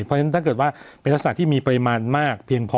เพราะฉะนั้นถ้าเกิดว่าเป็นทักษะที่มีปริมาณมากเพียงพอ